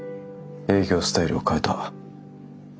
営業スタイルを変えた。